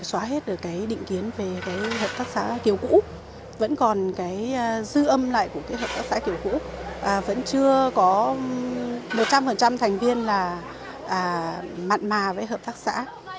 vẫn chưa có được định kiến về hợp tác xã kiểu cũ vẫn còn dư âm lại của hợp tác xã kiểu cũ vẫn chưa có một trăm linh thành viên mặn mà với hợp tác xã